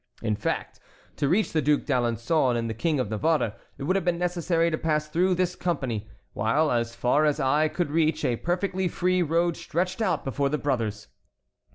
In fact, to reach the Duc d'Alençon and the King of Navarre it would have been necessary to pass through this company, while, as far as eye could reach, a perfectly free road stretched out before the brothers.